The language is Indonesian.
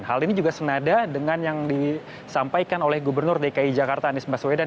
hal ini juga senada dengan yang disampaikan oleh gubernur dki jakarta anies baswedan